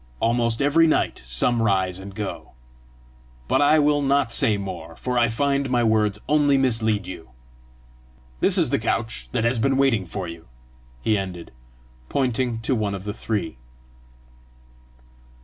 Almost every night some rise and go. But I will not say more, for I find my words only mislead you! This is the couch that has been waiting for you," he ended, pointing to one of the three.